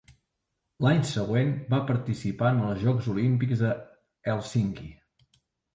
L'any següent va participar en els Jocs Olímpics de Hèlsinki.